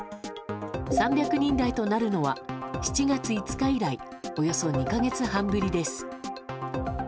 ３００人台となるのは７月５日以来およそ２か月半ぶりです。